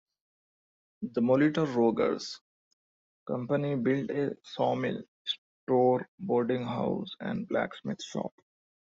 The Molitor-Rogers Company built a sawmill, store, boarding house, and blacksmith shop.